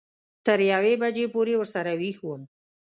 تر یوې بجې پورې ورسره وېښ وم.